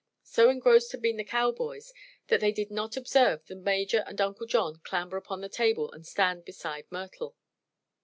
So engrossed had been the cowboys that they did not observe the Major and Uncle John clamber upon the table and stand beside Myrtle.